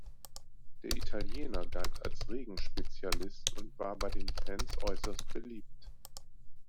Der Italiener galt als Regen-Spezialist und war bei den Fans äußerst beliebt.